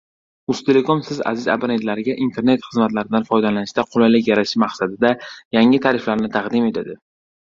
Uztelecom siz aziz abonentlarga internet xizmatlaridan foydalanishda qulaylik yaratish maqsadida “Yangi” tariflarini taqdim etadi